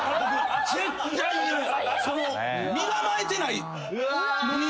身構えてないのに。